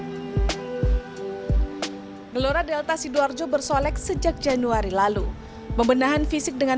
hai hai hai melora delta sidoarjo bersolek sejak januari lalu membenahan fisik dengan